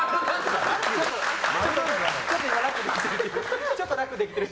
ちょっと今楽できてる。